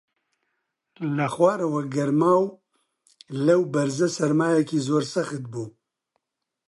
لە خوارەوە گەرما و لەو بەرزە سەرمایەکی زۆر سەخت بوو